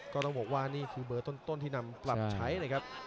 ก็ต้องบอกว่านี่คือเบอร์ต้นที่นำปรับใช้นะครับ